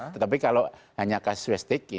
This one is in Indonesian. tetapi kalau hanya casuistic